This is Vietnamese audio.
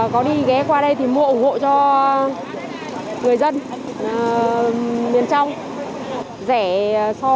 có đi ghé qua đây thì mua ủng hộ cho người dân miền trong